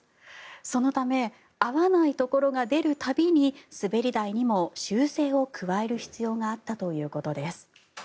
そのため合わないところが出る度に滑り台にも修正を加える必要があったということです。